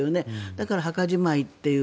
だから、墓じまいっていう。